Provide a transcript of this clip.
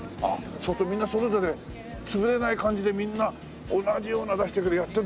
そうするとみんなそれぞれ潰れない感じでみんな同じようなの出してやってるのがすごいね。